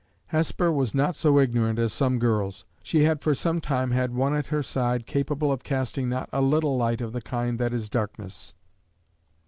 Hesper was not so ignorant as some girls; she had for some time had one at her side capable of casting not a little light of the kind that is darkness.